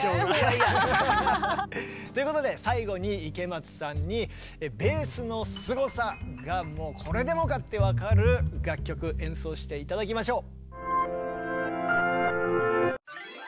いや。ということで最後に池松さんにベースのすごさがもうこれでもか！って分かる楽曲演奏して頂きましょう。